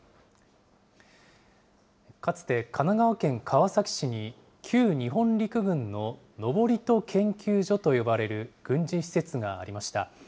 かつて、神奈川県川崎市に、旧日本陸軍の登戸研究所と呼ばれる軍事施設がありました。